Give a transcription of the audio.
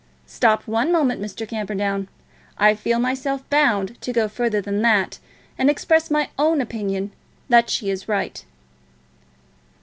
Stop one moment, Mr. Camperdown. I feel myself bound to go further than that, and express my own opinion that she is right."